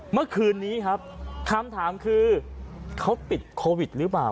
เมื่อคืนนี้ครับคำถามคือเขาติดโควิดหรือเปล่า